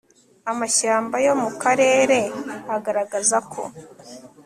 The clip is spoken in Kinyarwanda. amashyamba yo mu karere agaragaza ko